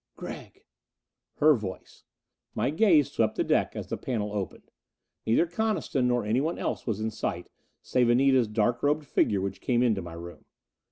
"Gregg." Her voice. My gaze swept the deck as the panel opened. Neither Coniston nor anyone else was in sight, save Anita's dark robed figure which came into my room.